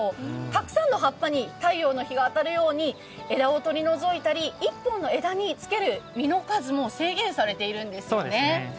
たくさんの葉っぱに太陽の日が当たるように枝を取り除いたり１本の枝につける実の数も制限されているんですね。